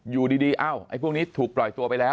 อยู่ดีเอ้าไอ้พวกนี้ถูกปล่อยตัวไปแล้ว